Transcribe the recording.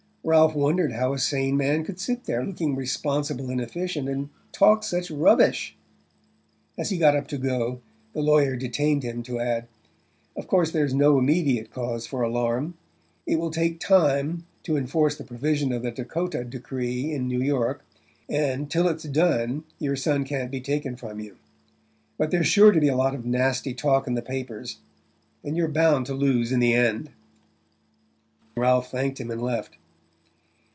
Ralph wondered how a sane man could sit there, looking responsible and efficient, and talk such rubbish...As he got up to go the lawyer detained him to add: "Of course there's no immediate cause for alarm. It will take time to enforce the provision of the Dakota decree in New York, and till it's done your son can't be taken from you. But there's sure to be a lot of nasty talk in the papers; and you're bound to lose in the end." Ralph thanked him and left.